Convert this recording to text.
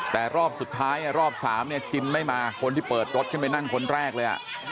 แต่รอบสุดท้ายรอบ๓เนี่ยจินไม่มาคนที่เปิดรถขึ้นไปนั่งคนแรกเลย